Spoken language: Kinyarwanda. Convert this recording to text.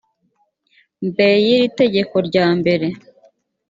mbere y iri tegeko ryambere